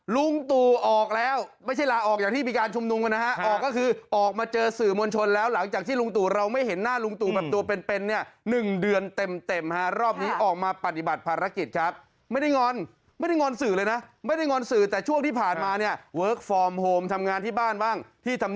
ลุงตู่ออกแล้วไม่ใช่ลาออกอย่างที่มีการชุมนุมกันนะฮะออกก็คือออกมาเจอสื่อมวลชนแล้วหลังจากที่ลุงตู่เราไม่เห็นหน้าลุงตู่แบบตัวเป็นเป็นเนี่ย๑เดือนเต็มฮะรอบนี้ออกมาปฏิบัติภารกิจครับไม่ได้งอนไม่ได้งอนสื่อเลยนะไม่ได้งอนสื่อแต่ช่วงที่ผ่านมาเนี่ยเวิร์คฟอร์มโฮมทำงานที่บ้านบ้างที่ทำ